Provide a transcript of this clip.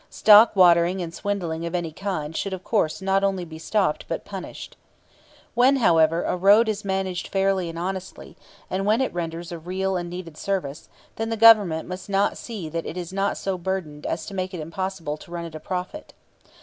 Stock watering and swindling of any kind should of course not only be stopped but punished. When, however, a road is managed fairly and honestly, and when it renders a real and needed service, then the Government must see that it is not so burdened as to make it impossible to run it at a profit.